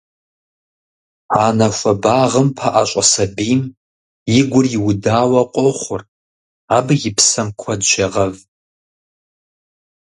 Анэ хуэбагъым пэӀэщӀэ сабийм и гур иудауэ къохъур, абы и псэм куэд щегъэв.